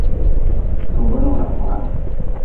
Toba logra foga.